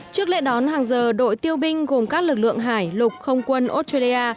trước lễ đón hàng giờ đội tiêu binh gồm các lực lượng hải lục không quân australia